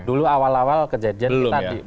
dulu awal awal kejadian kita belum ya